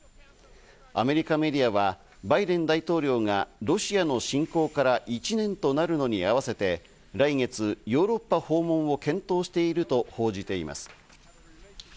アメリカメディアはバイデン大統領がロシアの侵攻から１年となるのに合わせて来月、ヨーロッパ訪問を検討していると報じています。